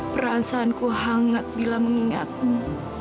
perasaanku hangat bila mengingatmu